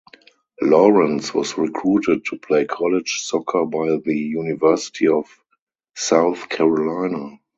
Lawrence was recruited to play college soccer by the University of South Carolina.